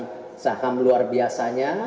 pemegang saham luar biasanya